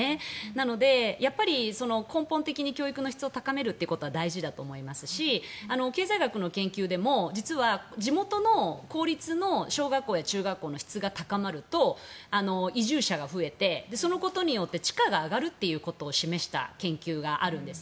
なので、やっぱり根本的に教育の質を高めることは大事だと思いますし経済学の研究でも実は地元の公立の小学校や中学校の質が高まると移住者が増えてそのことによって地価が上がるということを示した研究があるんです。